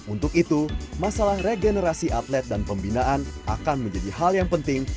untuk itu masalah regenerasi atlet dan pembinaan akan menjadi hal yang penting